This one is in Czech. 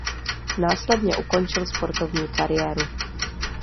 Následně ukončil sportovní kariéru.